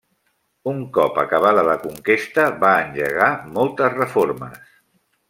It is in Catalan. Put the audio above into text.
Un cop acabada la conquesta va engegar moltes reformes.